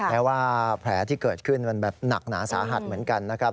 แม้ว่าแผลที่เกิดขึ้นมันแบบหนักหนาสาหัสเหมือนกันนะครับ